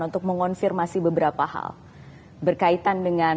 untuk mengonfirmasi beberapa hal berkaitan dengan